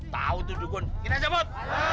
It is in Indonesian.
tahu tuh dukun kita jemput